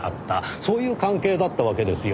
そういう関係だったわけですよ。